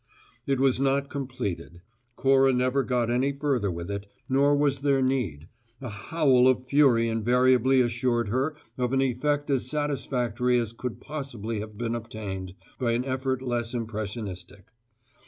..." It was not completed; Cora never got any further with it, nor was there need: a howl of fury invariably assured her of an effect as satisfactory as could possibly have been obtained by an effort less impressionistic.